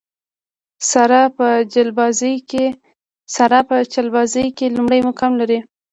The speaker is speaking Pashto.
ساره په چلبازۍ کې لومړی مقام لري.